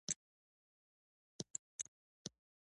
د یوه عام سړي سترګه شپیته شِکِل نقره ارزښت لري.